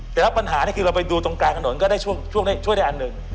แต่ละปัญหานั้นคือเราไปดูตรงกลางถนนก็ช่วยได้ช่วงนี้หนึ่ง